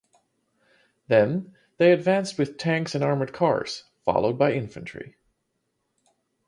Then, they advanced with tanks and armored cars, followed by infantry.